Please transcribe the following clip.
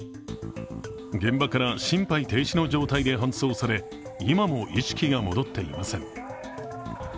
現場から心肺停止の状態で搬送され今も意識が戻っていません。